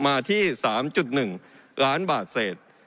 มาที่๓๑ล้านบาทเสร็จ